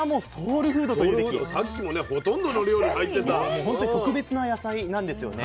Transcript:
もう本当に特別な野菜なんですよね。